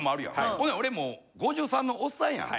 ほな俺もう５３のオッサンやん。